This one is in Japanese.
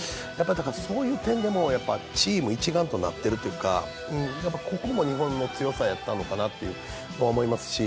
そういう点でも、チーム一丸となっているというか、ここも日本の強さやったのかなと思いますし